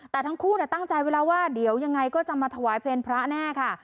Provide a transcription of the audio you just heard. แต่ทั้งคู่ตั้งใจไว้แล้วว่าเดี๋ยวยังไงก็จะมาถวายเพลงพระแน่ค่ะ